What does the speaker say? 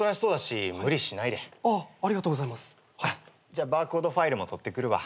じゃあバーコードファイルも取ってくるわ。